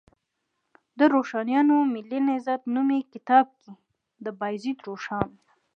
د روښانیانو ملي نهضت نومي کتاب کې، د بایزید روښان